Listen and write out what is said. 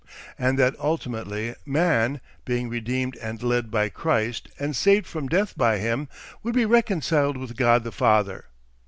And that ultimately Man, being redeemed and led by Christ and saved from death by him, would be reconciled with God the Father.